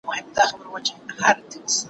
ادې، شلومبې، لندې، اوږدې، ورستې، خوږې، شیدې